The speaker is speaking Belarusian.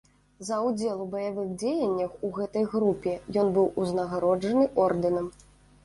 За ўдзел у баявых дзеяннях у гэтай групе ён быў узнагароджаны ордэнам.